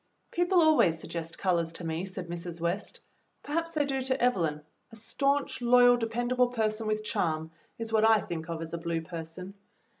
"People always suggest colors to me," said Mrs. West. "Perhaps they do to Evelyn. A stanch, loyal, dependable person with charm is what I think of as a blue person.